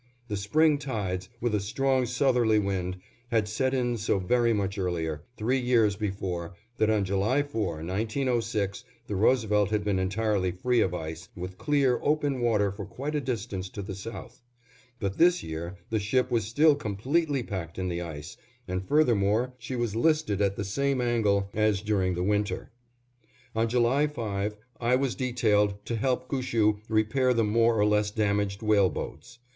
The spring tides, with a strong southerly wind, had set in so very much earlier, three years before, that on July 4, 1906, the Roosevelt had been entirely free of ice, with clear, open water for quite a distance to the south; but this year the ship was still completely packed in the ice, and furthermore she was listed at the same angle as during the winter. On July 5, I was detailed to help Gushue repair the more or less damaged whale boats.